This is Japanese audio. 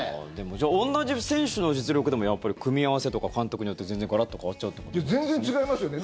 じゃあ同じ選手の実力でもやっぱり組み合わせとか監督によって全然ガラッと変わっちゃうということですよね。